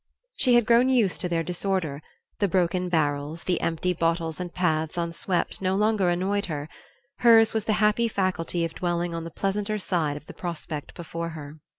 She had grown used to their disorder; the broken barrels, the empty bottles and paths unswept no longer annoyed her; hers was the happy faculty of dwelling on the pleasanter side of the prospect before her.